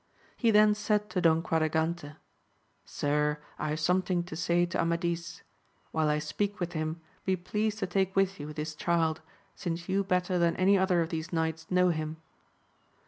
He then said to Don Quadra gante, Sir, I have something to say to Amadis ; while I speak with him, be pleased to take with you this child, since you better than any other of these knights know him.